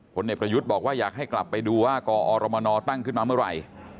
ผลเอกประยุทธ์บอกว่าอยากให้กลับไปดูว่ากอรมนตั้งขึ้นมาเมื่อไหร่